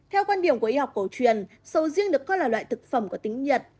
theo quan điểm của y học cổ truyền sầu riêng được coi là loại thực phẩm có tính nhiệt